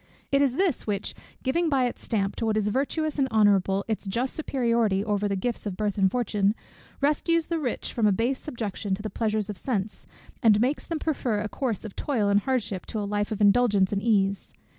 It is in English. It is this which, giving by its stamp to what is virtuous and honourable its just superiority over the gifts of birth and fortune, rescues the rich from a base subjection to the pleasures of sense, and makes them prefer a course of toil and hardship to a life of indulgence and ease.